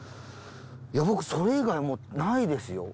いや僕それ以外もうないですよ？